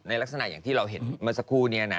ในลักษณะที่เราเห็นมาสักครู่เนี่ยนะ